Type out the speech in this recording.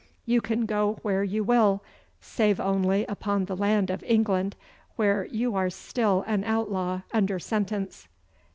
You can go where you will, save only upon the land of England, where you are still an outlaw under sentence.